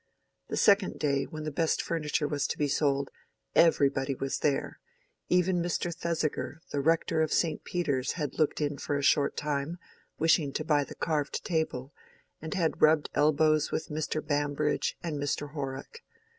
The second day, when the best furniture was to be sold, "everybody" was there; even Mr. Thesiger, the rector of St. Peter's, had looked in for a short time, wishing to buy the carved table, and had rubbed elbows with Mr. Bambridge and Mr. Horrock.